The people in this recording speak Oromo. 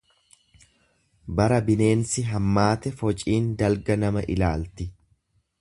Bara bineensi hammaate fociin dalga nama ilaalti.